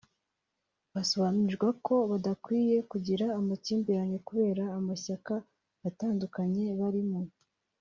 Basobanurirwa ko badakwiye kugira amakimbirane kubera amashyaka atandukanye barimo